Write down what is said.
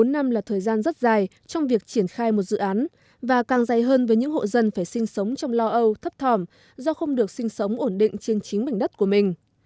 một mươi bốn năm là thời gian rất dài trong việc triển khai một dự án và càng dài hơn với những hộ dân phải sinh sống trong lo âu thấp thòm do không được sinh sống ổn định trên chính bình đất của mình